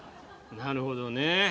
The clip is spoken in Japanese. なるほどね。